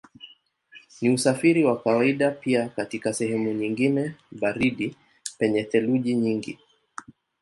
Ni usafiri wa kawaida pia katika sehemu nyingine baridi penye theluji nyingi.